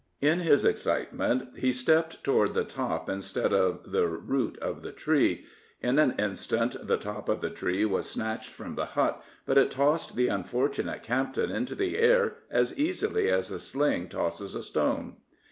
In his excitement, he stepped toward the top instead of the root of the tree; in an instant the top of the tree was snatched from the hut, but it tossed the unfortunate captain into the air as easily as a sling tosses a stone.